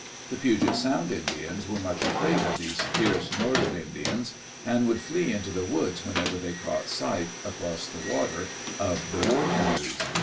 The Puget Sound Indians were much afraid of these fierce northern Indians, and would flee into the woods whenever they caught sight, across the water, of the war canoes.